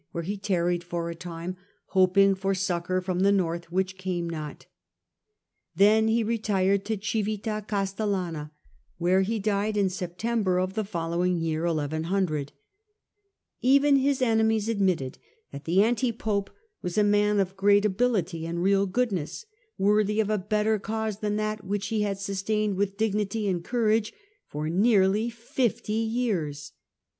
175 w^here he tarried for a time, hoping for succour from the north, which came not ; then he retired to Oivita Oastel Deathof oie lana, where he died in September of the foUow anti pope, iug year. Even his enemies admitted that the A J. 1100 anti pope was a man of great ability and real goodness, worthy of a better cause than that which he had sustained with dignity and courage for nearly fifty years.